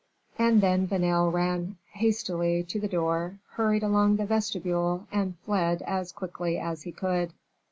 And then Vanel ran hastily to the door, hurried along the vestibule, and fled as quickly as he could.